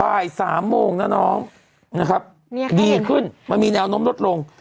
บ่ายสามโมงนะน้องนะครับดีขึ้นมันมีแนวโน้มลดลง